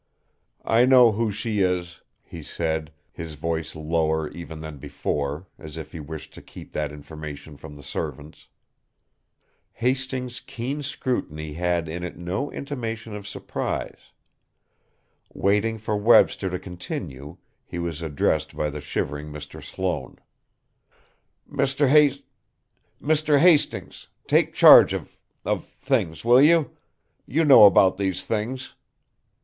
"I know who she is," he said, his voice lower even than before, as if he wished to keep that information from the servants. Hastings' keen scrutiny had in it no intimation of surprise. Waiting for Webster to continue, he was addressed by the shivering Mr. Sloane: "Mr. Hast Mr. Hastings, take charge of of things. Will you? You know about these things."